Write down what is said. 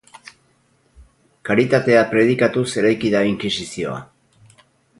Karitatea predikatuz eraiki da Inkisizioa.